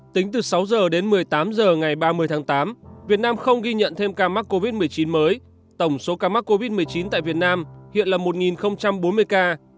tính từ sáu h đến một mươi tám h ngày ba mươi tháng tám việt nam không ghi nhận thêm ca mắc covid một mươi chín mới tổng số ca mắc covid một mươi chín tại việt nam hiện là một bốn mươi ca